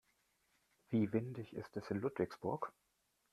Wie windig ist es in Ludwigsburg?